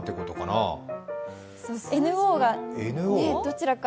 ＮＯがどちらか？